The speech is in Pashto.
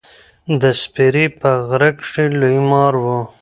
د سپرې په غره کښي لوی مار و.